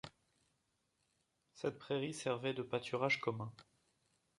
Cette prairie servait de pâturage commun.